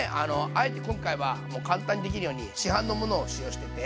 あえて今回は簡単にできるように市販のものを使用してて。